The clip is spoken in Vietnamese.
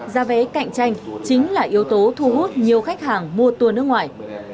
giá vé cạnh tranh chính là yếu tố thu hút nhiều khách hàng mua tour nước ngoài